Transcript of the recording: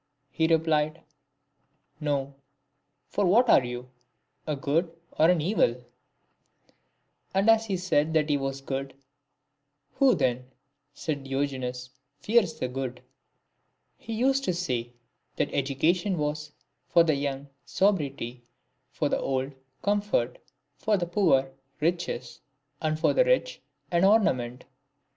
He replied, " No ; for what are you, a good or an evil ?" And as he said that he was * Horn. II. T. 65. DIOGENES, 243 good, " Who, then," said Diogenes, " fears the good ?" He used to say, that education was, for the young sobriety, for the old comfort, for the poor riches, and for the rich an ornament."